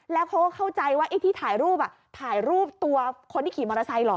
แล้วเขาก็เข้าใจว่าไอ้ที่ถ่ายรูปถ่ายรูปตัวคนที่ขี่มอเตอร์ไซค์เหรอ